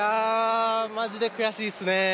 マジで悔しいっすね。